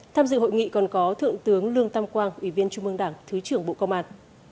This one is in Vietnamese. tham dự hội nghị còn có thượng tướng lương tam quang ủy viên trung mương đảng thứ trưởng bộ công an